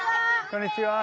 こんにちは。